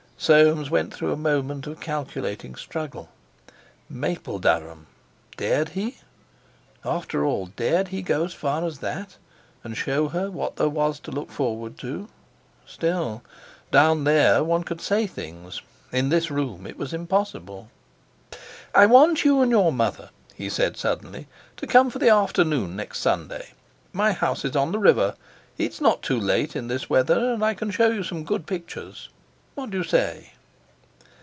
Soames went through a moment of calculating struggle. Mapledurham! Dared he? After all, dared he go so far as that, and show her what there was to look forward to! Still! Down there one could say things. In this room it was impossible. "I want you and your mother," he said suddenly, "to come for the afternoon next Sunday. My house is on the river, it's not too late in this weather; and I can show you some good pictures. What do you say?"